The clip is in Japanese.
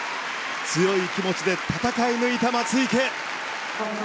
強い気持ちで戦い抜いた松生。